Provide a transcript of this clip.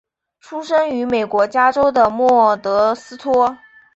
出生于美国加州的莫德斯托。